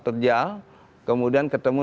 terjal kemudian ketemu